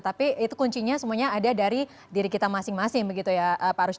tapi itu kuncinya semuanya ada dari diri kita masing masing begitu ya pak rush